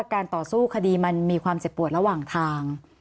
การต่อสู้คดีมันมีความเจ็บปวดระหว่างทาง